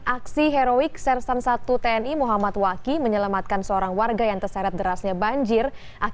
aksi heroik sersan satu tni muhammad waki menyelamatkan seorang warga yang terseret derasnya banjir